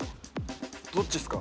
どっちっすか？